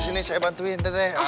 soalnya ini sebagian belanjaan